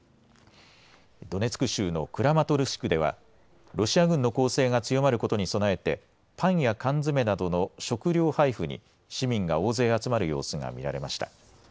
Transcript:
ドネツク州のクラマトルシクではロシア軍の攻勢が強まることに備えてパンや缶詰などの食料配付に市民が大勢集まる様子が見られました。